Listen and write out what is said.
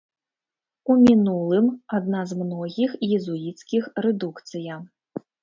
У мінулым, адна з многіх езуіцкіх рэдукцыя.